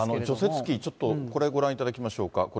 除雪機、ちょっとこれご覧いただきましょうか。